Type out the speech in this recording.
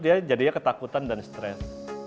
dia jadinya ketakutan dan stres